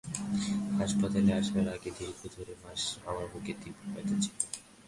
হাসপাতালে আসার আগে দীর্ঘ দেড় মাস আমার বুকে তীব্র ব্যথা ছিল।